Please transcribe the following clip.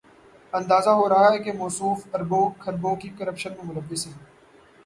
اندازہ ہو رہا ہے کہ موصوف اربوں، کھربوں کی کرپشن میں ملوث ہیں۔